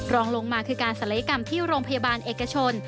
รองลงมาคือการศัลยกรรมที่โรงพยาบาลเอกชน